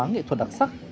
nghệ thuật đặc sắc